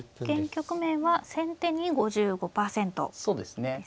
現局面は先手に５５％ですね。